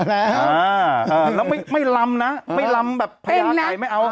เอาแล้วแล้วไม่ลำนะไม่ลำแบบภายาไก่ไม่เอา